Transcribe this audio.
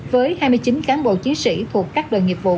với hai mươi chín cán bộ chí sĩ thuộc các đoàn nghiệp